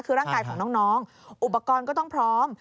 คือร่างกายของน้องอุปกรณ์ก็ต้องพร้อม